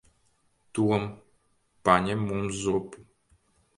Tom. Paņem mums zupu.